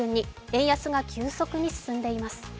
円安が急速に進んでいます。